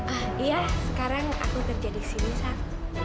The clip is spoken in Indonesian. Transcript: ah iya sekarang aku kerja di sini saat